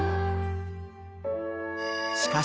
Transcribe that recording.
［しかし］